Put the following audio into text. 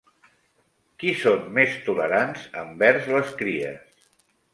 Qui són més tolerants en vers les cries?